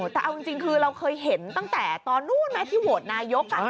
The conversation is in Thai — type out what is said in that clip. แต่เอาจริงคือเราเคยเห็นตั้งแต่ตอนนู้นไหมที่โหวตนายก